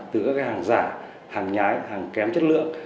từ các hàng giả hàng nhái hàng kém chất lượng